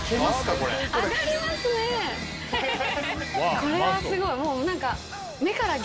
これはすごいもう何か。